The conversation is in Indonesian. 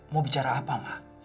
mau bicara apa ma